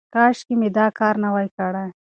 کاشکې مې دا کار نه وای کړی.